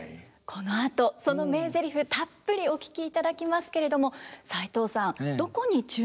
このあとその名ゼリフたっぷりお聞きいただきますけれども齋藤さんどこに注目するとよいですか？